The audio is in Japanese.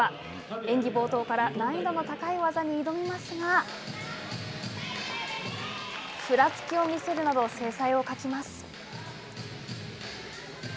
演技冒頭から難易度の高い技に挑みますがふらつきを見せるなど精彩を欠きます。